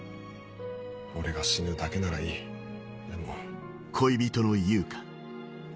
俺が死ぬだけならいいでも。